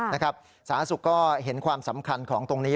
สาธารณสุขก็เห็นความสำคัญของตรงนี้